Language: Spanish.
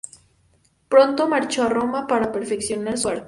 Pronto marchó a Roma para perfeccionar su arte.